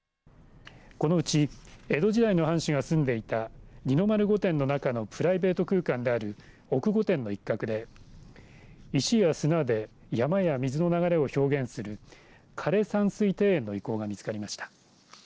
このうち江戸時代の藩主が住んでいた二の丸御殿の中のプライベート空間である奥御殿の一角で石や砂で山や水の流れを表現する枯山水庭園の遺構が見つかりました。